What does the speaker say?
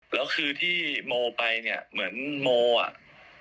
แล้วคือที่โมไปเนี่ยเหมือนโมอ่ะ